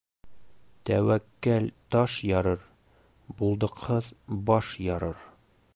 Тәүәккәл таш ярыр, булдыҡһыҙ баш ярыр.